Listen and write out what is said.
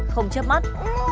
không chấp mắt